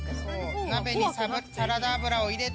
鍋にサラダ油を入れて。